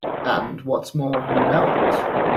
And, what's more, you know it.